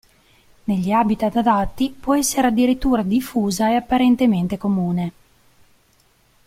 Negli "habitat" adatti può essere addirittura diffusa e apparentemente comune.